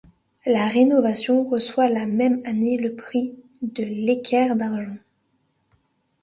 La rénovation reçoit la même année le Prix de l'Équerre d'argent.